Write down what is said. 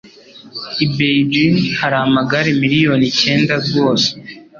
I Beijing hari amagare miliyoni icyenda rwose